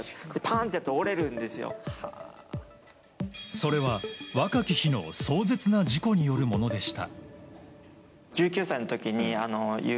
それは若き日の壮絶な事故によるものでした。